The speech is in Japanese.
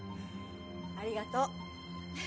ありがとう。